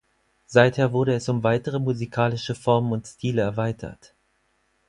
Seither wurde es um weitere musikalische Formen und Stile erweitert.